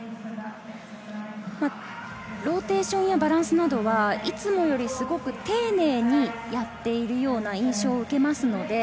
ローテーションやバランスなどはいつもより丁寧にやっているような印象を受けます。